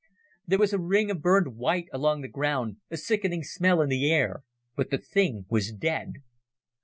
There was a ring of burned white along the ground, a sickening smell in the air, but the thing was dead.